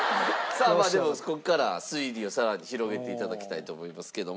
でもここから推理をさらに広げて頂きたいと思いますけども。